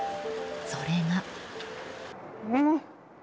それが。